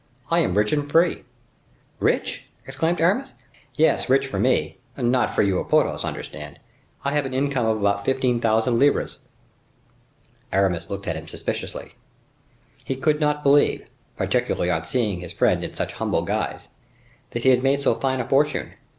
—I am rich and free." "Rich!" exclaimed Aramis. "Yes, rich for me; not for you or Porthos, understand. I have an income of about fifteen thousand livres." Aramis looked at him suspiciously. He could not believe—particularly on seeing his friend in such humble guise—that he had made so fine a fortune.